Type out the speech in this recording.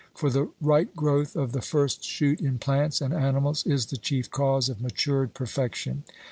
For the right growth of the first shoot in plants and animals is the chief cause of matured perfection.